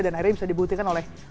dan akhirnya bisa dibuktikan oleh